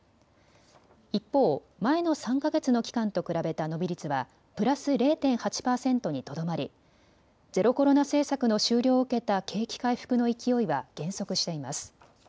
一方、前の３か月の期間と比べた伸び率はプラス０．８％にとどまりゼロコロナ政策の終了を受けた景気回復の勢いは減速しています。